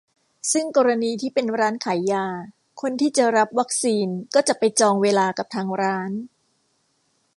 ซึ่งกรณีที่เป็นร้านขายยา คนที่จะรับวัคซีนก็จะไปจองเวลากับทางร้าน